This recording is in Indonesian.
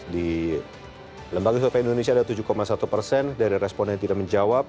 di lembaga survei indonesia ada tujuh satu persen dari respon yang tidak menjawab